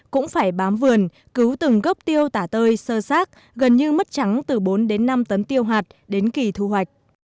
cũng phải bám vườn cứu từng gốc tiêu tả tơi sơ sát gần như mất trắng từ bốn đến năm tấn tiêu hạt đến kỳ thu hoạch